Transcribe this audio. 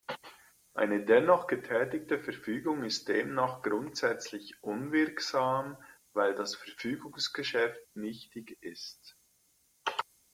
Eine dennoch getätigte Verfügung ist demnach grundsätzlich unwirksam, weil das Verfügungsgeschäft nichtig ist.